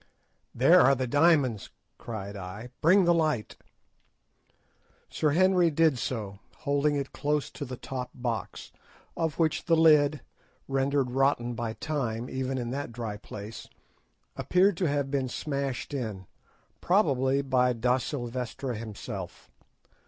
"There are the diamonds," cried I; "bring the light." Sir Henry did so, holding it close to the top box, of which the lid, rendered rotten by time even in that dry place, appeared to have been smashed in, probably by Da Silvestra himself.